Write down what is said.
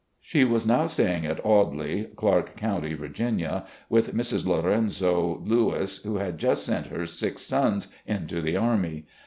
She was now staying at "Audley," Clarke County, Virginia, with Mrs. Lorenzo Lewis, who had just sent her six sons into the army.